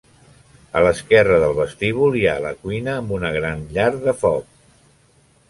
A l'esquerra del vestíbul hi ha la cuina amb una gran llar de foc.